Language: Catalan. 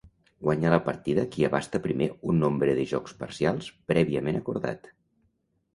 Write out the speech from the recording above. Guanya la partida qui abasta primer un nombre de jocs parcials prèviament acordat.